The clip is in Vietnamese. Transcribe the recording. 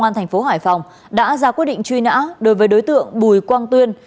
công an thành phố hải phòng đã ra quyết định truy nã đối với đối tượng bùi quang tuyên